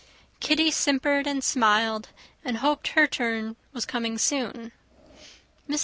Kitty simpered and smiled, and hoped her turn was coming soon. Mrs.